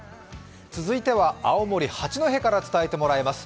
続いては青森・八戸から伝えてもらいます。